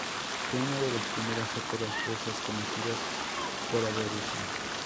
Fue una de las primeras óperas rusas conocidas fuera de Rusia.